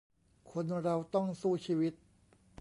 คนเราต้องสู้ชีวิต